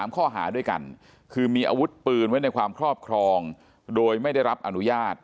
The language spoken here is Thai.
ข้อหาด้วยกันคือมีอาวุธปืนไว้ในความครอบครองโดยไม่ได้รับอนุญาต